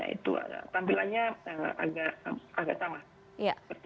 itu tampilannya agak sama